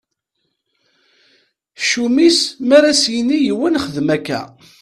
Ccum-is mi ara s-yini yiwen xdem akka.